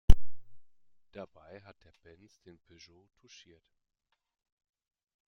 Dabei hat der Benz den Peugeot touchiert.